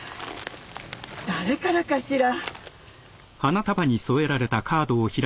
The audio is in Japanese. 誰からかしら？